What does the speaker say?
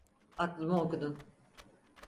Aklımı okudun.